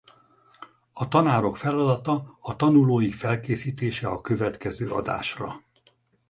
A tanárok feladata a tanulóik felkészítése a következő adásra.